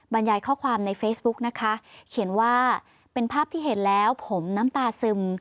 บรรยายข้อความในเฟซบุ๊กนะคะเขียนว่าเป็นภาพที่เห็นแล้วผมน้ำตาซึม